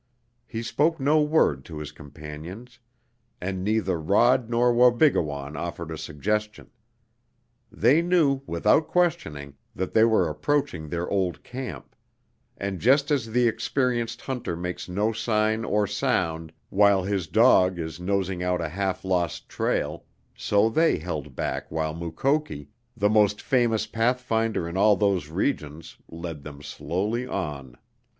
He spoke no word to his companions, and neither Rod nor Wabigoon offered a suggestion. They knew, without questioning, that they were approaching their old camp, and just as the experienced hunter makes no sign or sound while his dog is nosing out a half lost trail so they held back while Mukoki, the most famous pathfinder in all those regions, led them slowly on.